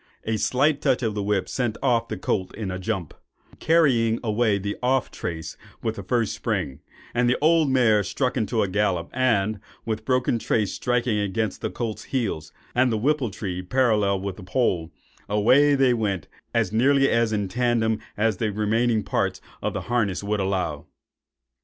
A slight touch of the whip sent off the colt in a jump, carrying away the off trace with the first spring; the old mare struck into a gallop, and, with the broken trace striking against the colt's heels, and the whippletree parallel with the pole, away they went as nearly in a tandem as the remaining part of the harness would allow.